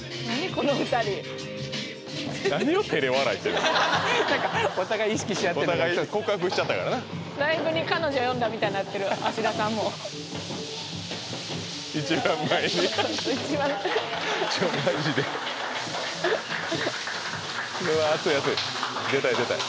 この２人何をてれ笑いしてんのお互い意識し合って告白しちゃったからなライブに彼女呼んだみたいになってる芦田さんも一番前にそうそう一番ちょっマジでうわ熱い熱い出たい出たい